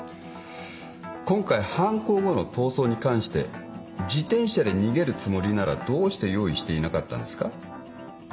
今回犯行後の逃走に関して自転車で逃げるつもりならどうして用意していなかったんですか。